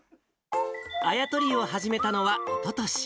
あや取りを始めたのはおととし。